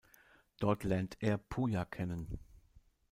Dort lernt er Pooja kennen.